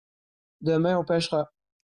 demain on pêchera.